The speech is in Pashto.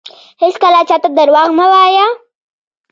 هیڅکله چاته درواغ مه وایه